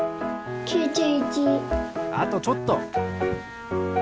あとちょっと。